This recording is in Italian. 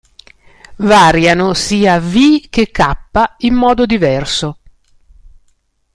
Variano sia "V" che "k" in modo diverso.